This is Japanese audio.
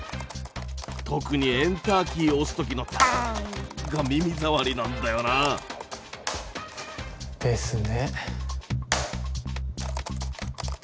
特にエンターキー押す時の「ターン！」が耳障りなんだよな。ですね。